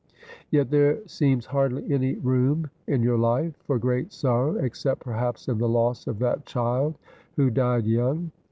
Yet there seems hardly any room in your life for great sorrow, ex cept perhaps in the loss of that child who died young.